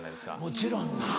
もちろんな。